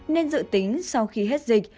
nên dự tính sau khi hết dịch